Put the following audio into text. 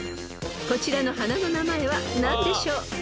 ［こちらの花の名前は何でしょう？］